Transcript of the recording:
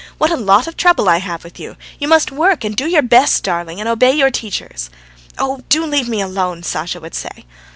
"What a lot of trouble I have with you! You must work and do your best, darling, and obey your teachers." "Oh, do leave me alone!" Sasha would say.